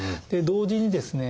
同時にですね